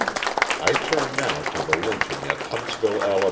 I turn now to the lynching at Huntsville, Ala.